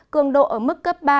cường độ ở mức cấp ba bốn